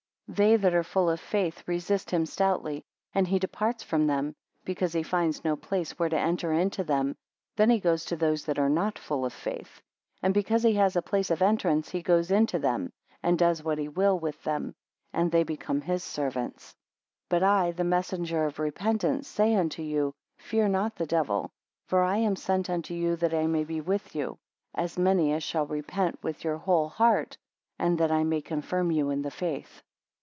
29 They that are full of faith resist him stoutly, and he departs from them, because he finds no place where to enter into them then he goes to those that are not full of faith, and because he has a place of entrance he goes into them, and does what he will with them, and they become his servants. 30 But I, the messenger of repentance, say unto you, fear not the devil, for I am sent unto you, that I may be with you, as many as shall repent with your whole heart, and that I may confirm you in the faith.